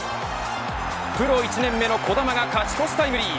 プロ１年目の児玉が勝ち越しタイムリー。